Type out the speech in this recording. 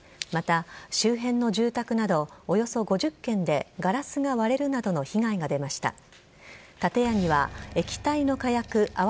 また、周辺の住宅などおよそ５０軒でガラスが割れるなどの被害が出ました。